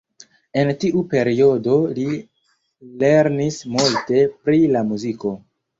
En tiu periodo li lernis multe pri la muziko.